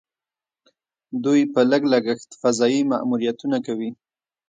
دوی په لږ لګښت فضايي ماموریتونه کوي.